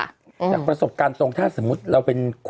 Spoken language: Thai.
จากประสบการณ์ตรงถ้าสมมุติเราเป็น